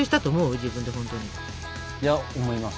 自分で本当に。いや思います。